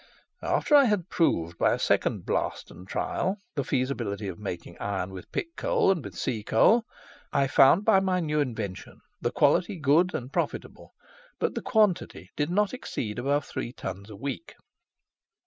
After I had proved by a second blast and trial, the feasibility of making iron with pit coal and sea coal, I found by my new invention the quality good and profitable, but the quantity did not exceed above three tons a week."